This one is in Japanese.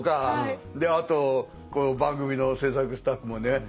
であと番組の制作スタッフもね